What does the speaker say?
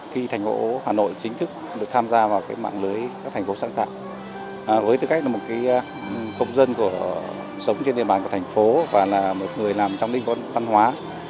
khi thành phố hà nội chính thức được tham gia vào mạng lưới các thành phố sáng tạo với tư cách là một công dân sống trên địa bàn của thành phố và là một người làm trong lĩnh văn hóa